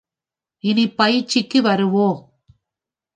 இனி பயிற்சிக்கு வருவோம்.